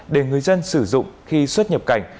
để người dân sử dụng khi xuất nhập cảnh